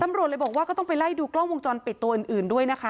ตำรวจเลยบอกว่าก็ต้องไปไล่ดูกล้องวงจรปิดตัวอื่นด้วยนะคะ